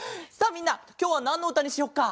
みんなきょうはなんのうたにしよっか？